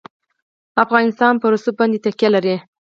افغانستان په رسوب باندې تکیه لري.